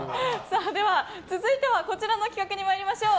では、続いてはこちらの企画に参りましょう。